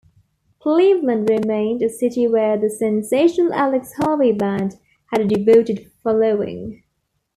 Cleveland remained a city where the Sensational Alex Harvey Band had a devoted following.